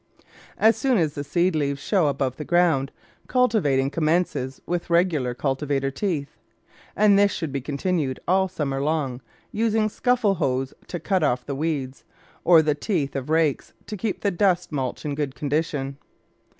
As soon as the seed leaves show above the ground, cultivating commences with the regular cultivator teeth. And this should be continued all summer long, using scuffle hoes to cut off the weeds, or the teeth of rakes to keep the dust mulch in good condition.